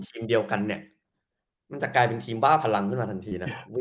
ทีมเดียวกันเนี่ยมันจะกลายเป็นทีมบ้าพลังขึ้นมาทันทีนะ